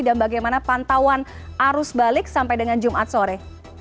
dan bagaimana pantauan arus balik sampai dengan jumat sore